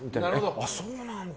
あ、そうなんだ！